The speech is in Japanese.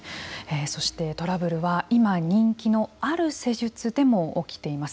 そしてトラブルは、今人気のある施術でも起きています。